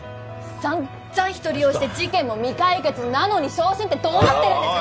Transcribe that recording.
さんざん人利用して事件も未解決なのに昇進ってどうなってるんですか